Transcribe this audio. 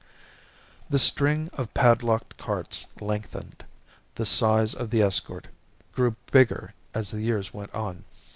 The string of padlocked carts lengthened, the size of the escort grew bigger as the years went on.